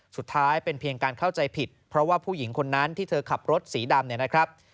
สุดท้ายเป็นเพียงการเข้าใจผิดเพราะว่าผู้หญิงคนนั้นที่เธอขับรถสีดำเนี่ยนะครับ